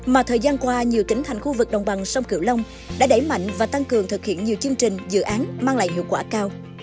mà thời gian qua nhiều tỉnh thành khu vực đồng bằng sông cửu long đã đẩy mạnh và tăng cường thực hiện nhiều chương trình dự án mang lại hiệu quả cao